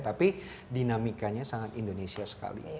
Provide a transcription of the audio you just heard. tapi dinamikanya sangat indonesia sekali